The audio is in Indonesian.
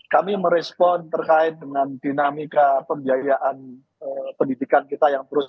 kami merespon terkait dengan dinamika pembiayaan pendidikan kita yang terus